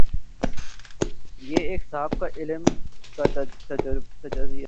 یہ ایک صاحب علم کا تجزیہ ہے۔